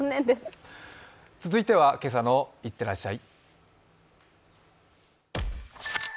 続いては「今朝のいってらっしゃい」。